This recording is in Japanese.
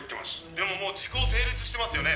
「でももう時効成立してますよね？」